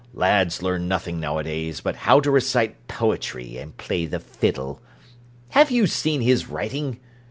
Lads learn nothing nowadays, but how to recite poetry and play the fiddle. Have you seen his writing?"